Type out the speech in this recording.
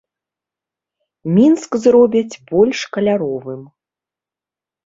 Мінск зробяць больш каляровым.